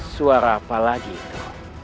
suara apalagi itu